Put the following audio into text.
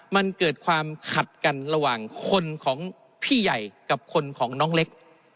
มันเกิดความขัดกันระหว่างคนของพี่ใหญ่กับคนของน้องเล็ก